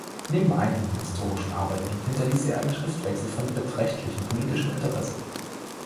Neben einigen historischen Arbeiten hinterließ er einen Schriftwechsel von beträchtlichem politischem Interesse.